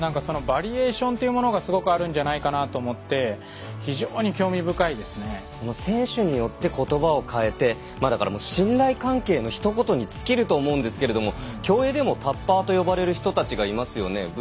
バリエーションというものがすごくあるんじゃないかなと思って選手によってことばを変えてだから信頼関係のひと言につきると思うんですけれど競泳でも、タッパーと呼ばれる人たちがいますよね。